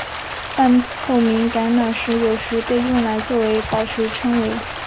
半透明橄榄石有时被用来作为宝石称为。